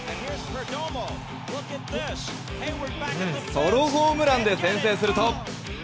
ソロホームランで先制すると。